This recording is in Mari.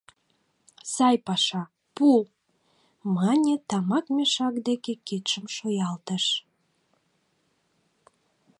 — Сай паша, пу! — мане, тамак мешак деке кидшым шуялтыш.